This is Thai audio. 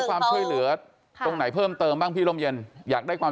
ความช่วยเหลือตรงไหนเพิ่มเติมบ้างพี่ร่มเย็นอยากได้ความ